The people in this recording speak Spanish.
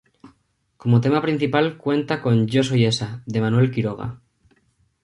Como tema principal cuenta con ‘Yo soy esa’, de Manuel Quiroga.